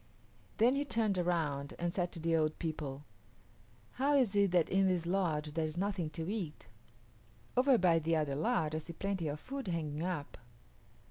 Then he turned around and said to the old people, "How is it that in this lodge there is nothing to eat? Over by the other lodge I see plenty of food hanging up."